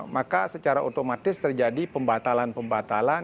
maka secara otomatis terjadi pembatalan pembatalan